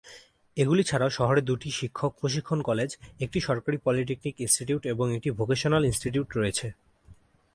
এগুলি ছাড়াও শহরে দুটি শিক্ষক প্রশিক্ষণ কলেজ, একটি সরকারি পলিটেকনিক ইনস্টিটিউট এবং একটি ভোকেশনাল ইনস্টিটিউট রয়েছে।